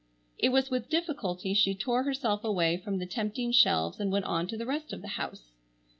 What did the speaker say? It was with difficulty she tore herself away from the tempting shelves and went on to the rest of the house.